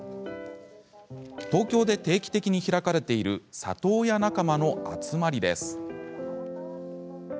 東京で定期的に開かれている里親仲間の集まりです。